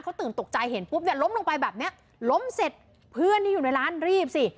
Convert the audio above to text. เขาตื่นตกใจเห็นปุ๊บเนี่ยล้มลงไปแบบเนี้ยล้มเสร็จเพื่อนที่อยู่ในร้านรีบสิ